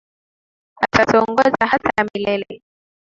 Atatuongoza hata milele